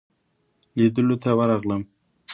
لیدلو ته ورغلم.